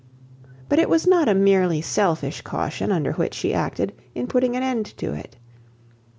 But it was not a merely selfish caution, under which she acted, in putting an end to it.